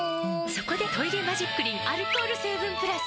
そこで「トイレマジックリン」アルコール成分プラス！